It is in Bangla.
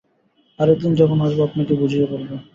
আরেক দিন যখন আসব, আপনাকে বুঝিয়ে বলব।